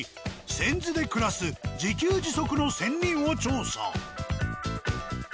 泉津で暮らす自給自足の仙人を調査。